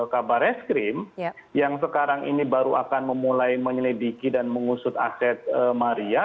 kabar es krim yang sekarang ini baru akan memulai menyelediki dan mengusut aset maria